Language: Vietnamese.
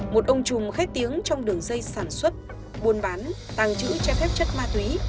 một ông chùm khét tiếng trong đường dây sản xuất muôn bán tàng trữ chất ma túy